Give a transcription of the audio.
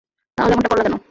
তাহলে এমনটা করলা কেন?